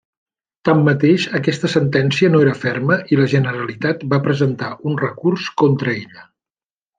Tanmateix, aquesta sentència no era ferma i la Generalitat va presentar un recurs contra ella.